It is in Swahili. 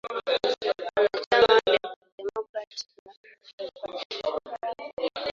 wanachama wa democratic na republican